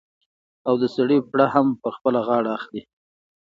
او د سړي پړه هم په خپله غاړه اخلي.